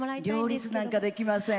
両立なんかできません。